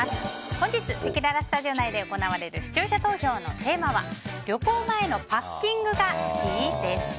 本日せきららスタジオ内で行われる視聴者投票のテーマは旅行前のパッキングが好き？です。